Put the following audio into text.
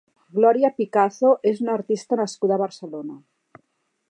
Glòria Picazo és una artista nascuda a Barcelona.